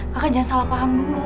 kakak jangan salah paham dulu